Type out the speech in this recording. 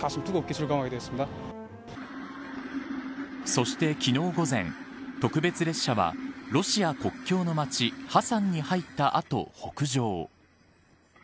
そして昨日午前特別列車はロシア国境の町ハサンに入った後、北上。